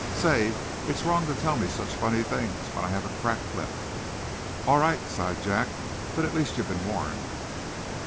"Say, it's wrong to tell me such funny things when I have a cracked lip." "All right," sighed Jack. "But at least you've been warned."